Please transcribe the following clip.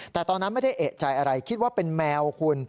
แต่ตอนนั้นไม่ได้เอกใจอะไรคิดว่าเป็นแมวคุณ